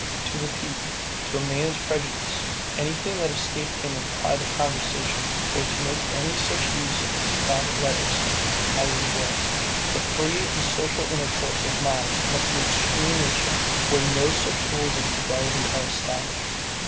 To repeat, to a man's prejudice, anything that escaped him in private conversation, or to make any such use of his private letters, is highly blamed. The free and social intercourse of minds must be extremely checked, where no such rules of fidelity are established.